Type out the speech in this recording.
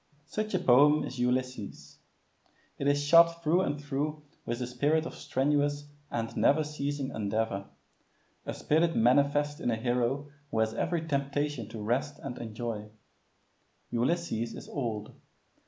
Such a poem is Ulysses. It is shot through and through with the spirit of strenuous and never ceasing endeavor a spirit manifest in a hero who has every temptation to rest and enjoy. Ulysses is old.